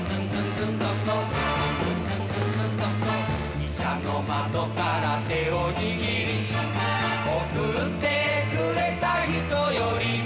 「汽車の窓から手をにぎり」「送ってくれた人よりも」